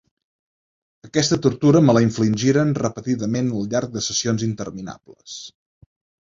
Aquesta tortura me la infligiren repetidament al llarg de sessions interminables.